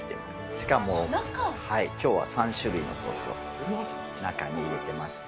しかも、きょうは３種類のソースを中に入れてます。